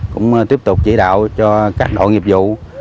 cũng tiếp tục chỉ đạo cho các đội nghiệp vụ